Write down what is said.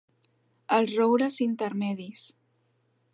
Els roures intermedis.